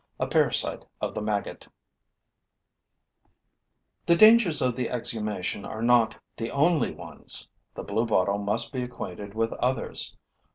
A PARASITE OF THE MAGGOT The dangers of the exhumation are not the only ones; the Bluebottle must be acquainted with others.